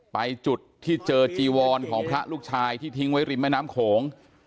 ไปจุดที่เจอจีวรของพระลูกชายที่ทิ้งไว้ริมแม่น้ำโขง